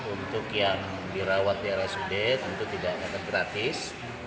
untuk yang dirawat di arah sudut itu tidak akan gratis